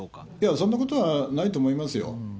そんなことはないと思いますよ。